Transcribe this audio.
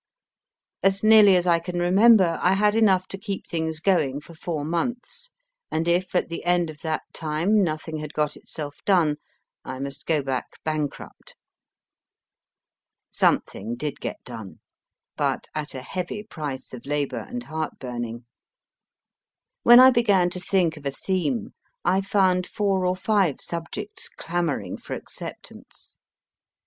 As nearly as I can remember, I had enough to keep things going for four months, and if, at the end of that time, nothing had got itself done, I must go back bankrupt. Something did get done, but at a heavy price of labour and heart burning. When I began to think of a theme, I found four or five subjects clamouring for acceptance.